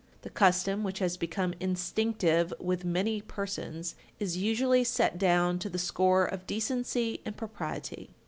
The custom, which has become instinctive with many persons, is usually set down to the score of decency and propriety.